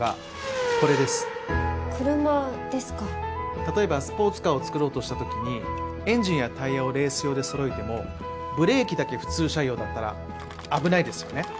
例えばスポーツカーを作ろうとした時にエンジンやタイヤをレース用でそろえてもブレーキだけ普通車用だったら危ないですよね。